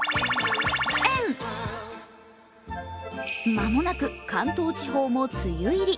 間もなく関東地方も梅雨入り。